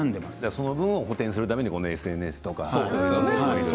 その部分を補填するためにＳＮＳとか。